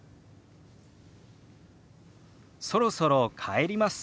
「そろそろ帰ります」。